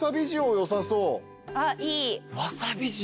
わさび塩